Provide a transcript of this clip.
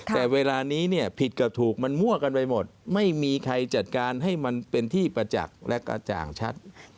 แต่เวลานี้เนี่ยผิดกับถูกมันมั่วกันไปหมดไม่มีใครจัดการให้มันเป็นที่ประจักษ์และกระจ่างชัด